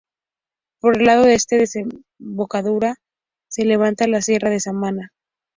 Por el lado este de su desembocadura se levanta la Sierra de Samaná.